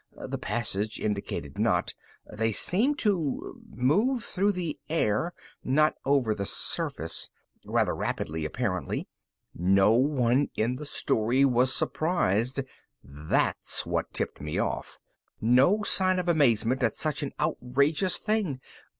The passage indicated not; they seemed to move through the air, not over the surface. Rather rapidly, apparently. No one in the story was surprised. That's what tipped me off. No sign of amazement at such an outrageous thing.